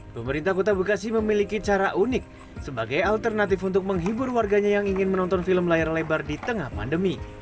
pemerintah kota bekasi memiliki cara unik sebagai alternatif untuk menghibur warganya yang ingin menonton film layar lebar di tengah pandemi